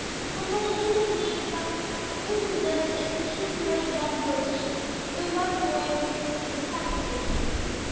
And when the hymn was being sung, the clergyman noticed that the tears were running down the boy's cheeks, though he rubbed them away with his sleeve as fast as they came.